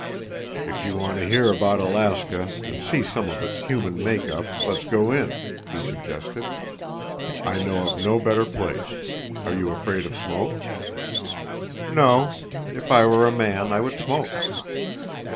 "If you want to hear about Alaska and see some of its human make up, let's go in," he suggested. "I know; of no better place. Are you afraid of smoke?" "No. If I were a man, I would smoke."